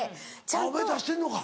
お前出してんのか。